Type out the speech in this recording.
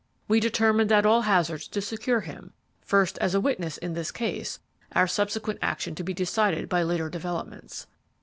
We determined at all hazards to secure him, first as a witness in this case, our subsequent action to be decided by later developments.